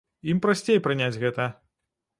Ім прасцей прыняць гэта.